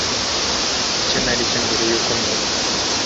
Icyo nari cyo mbere yuko mvuka